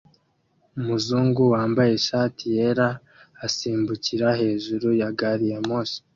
Umuzungu wambaye ishati yera asimbukira hejuru ya gari ya moshi